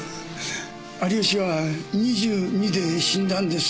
有吉は２２で死んだんです。